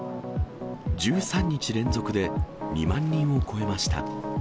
１３日連続で２万人を超えました。